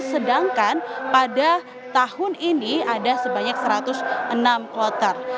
sedangkan pada tahun ini ada sebanyak satu ratus enam kloter